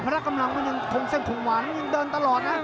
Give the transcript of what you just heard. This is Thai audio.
พระรักษ์กำลังมันยังคงเส้นขุมหวานยังเดินตลอดนะ